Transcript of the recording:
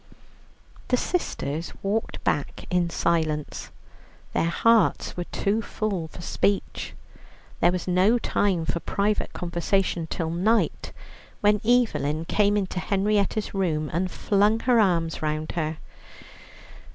The sisters walked back in silence; their hearts were too full for speech. There was no time for private conversation till night, when Evelyn came into Henrietta's room, and flung her arms round her.